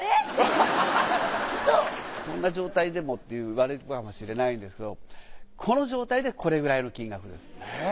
こんな状態でもって言われるかもしれないですけどこの状態でこれくらいの金額です。